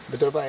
betul pak ya